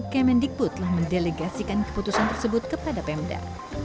kemen dikutlah mendelegasikan keputusan tersebut kepada pemda